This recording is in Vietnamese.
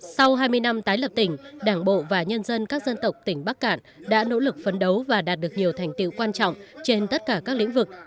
sau hai mươi năm tái lập tỉnh đảng bộ và nhân dân các dân tộc tỉnh bắc cạn đã nỗ lực phấn đấu và đạt được nhiều thành tiệu quan trọng trên tất cả các lĩnh vực